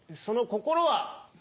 その心は。